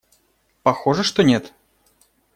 Похоже, что нет.